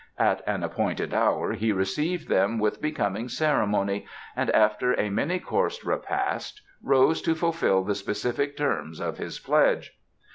At an appointed hour he received them with becoming ceremony and after a many coursed repast rose to fulfil the specific terms of his pledge.